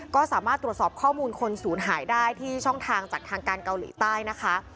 ก็สามารถตรวจสอบข้อมูลคนศูนย์หายได้ที่ช่องทางจากทางการเกาหลีใต้นะคะ